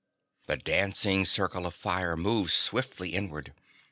The dancing circle of fire moved swiftly inward.